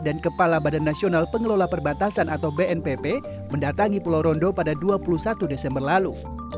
dan kepala badan nasional pengelola perbatasan atau bnpp mendatangi pulau rondo pada dua puluh satu desember lalu